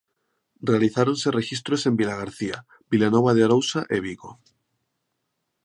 Realizáronse rexistros en Vilagarcía, Vilanova de Arousa e Vigo.